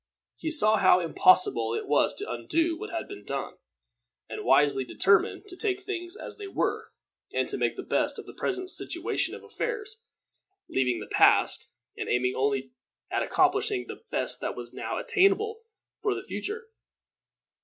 He saw how impossible it was to undo what had been done, and wisely determined to take things as they were, and make the best of the present situation of affairs, leaving the past, and aiming only at accomplishing the best that was now attainable for the future.